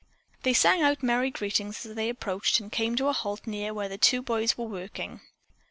They sang out merry greetings as they approached and came to a halt near where the two boys were working.